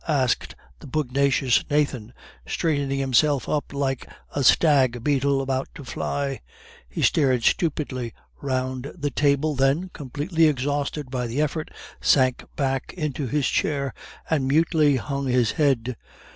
asked the pugnacious Nathan, straightening himself up like a stag beetle about to fly. He stared stupidly round the table, then, completely exhausted by the effort, sank back into his chair, and mutely hung his head.